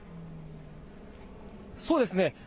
そうですね。